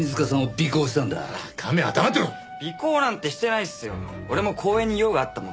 尾行なんてしてないっすよ。